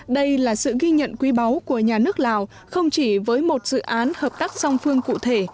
đây là sự ghi nhận quý báu của nhà nước lào không chỉ với một dự án hợp tác song phương cụ thể